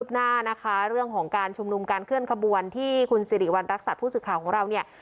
หน้านะคะเรื่องของการชุมนุมการเคลื่อนขบวนที่คุณสิริวัณรักษัตริย์ผู้สื่อข่าวของเราเนี่ย